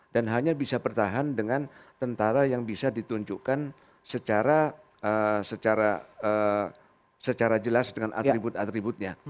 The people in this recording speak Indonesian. dan hanya bisa bertahan dengan tentara yang bisa ditunjukkan secara jelas dengan atribut atributnya